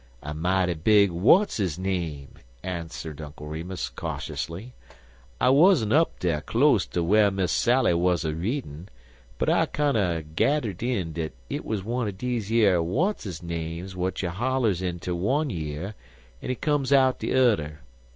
"A mighty big w'atsizname," answered Uncle Remus, cautiously. "I wuzzent up dar close to whar Miss Sarah wuz a readin', but I kinder geddered in dat it wuz one er deze 'ere w'atzisnames w'at you hollers inter one year an it comes out er de udder.